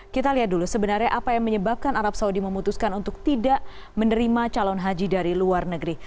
kita lihat dulu sebenarnya apa yang menyebabkan arab saudi memutuskan untuk tidak menerima calon haji dari luar negeri